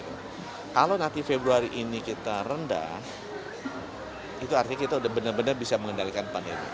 kalau nanti februari ini kita rendah itu artinya kita udah benar benar bisa mengendalikan pandemi